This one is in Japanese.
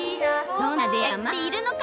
どんなであいがまっているのか！